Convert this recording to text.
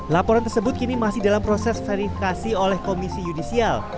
laporan tersebut kini masih dalam proses verifikasi oleh komisi yudisial